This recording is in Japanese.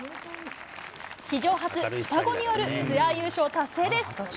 史上初、双子によるツアー優勝達成です。